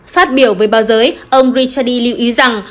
phát biểu với báo giới ông richardi lưu ý rằng